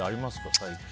最近。